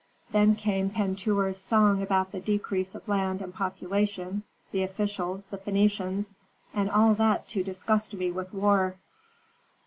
Then came Pentuer's song about the decrease of land and population, the officials, the Phœnicians, and all that to disgust me with war."